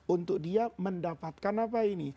untuk dia mendapatkan apa ini